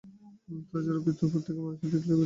তা ছাড়া বিপত্নীক মানুষদের দেখলেই চেনা যায়।